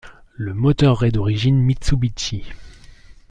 Le moteur est d'origine Mitsubishi.